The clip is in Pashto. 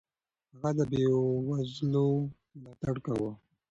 هغه د بېوزلو ملاتړ کاوه.